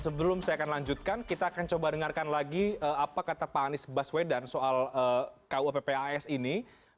sebelum saya akan lanjutkan kita akan coba dengarkan lagi apa kata pak anies baswedan soal kuappas ini